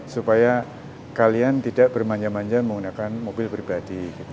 supaya kalian tidak bermanja manja menggunakan mobil pribadi